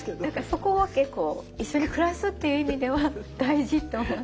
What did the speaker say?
そこは結構一緒に暮らすっていう意味では大事って思う。